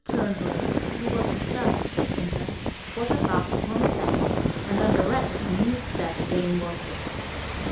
Turnbull, who was himself a dissenter, was at last upon his legs, and then the Ratlers knew that the game was lost.